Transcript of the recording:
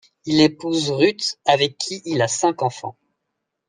Il épouse Ruth avec qui il a cinq enfants.